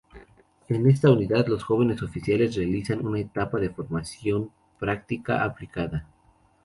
En esta unidad, los jóvenes oficiales realizan una etapa de formación práctica aplicada.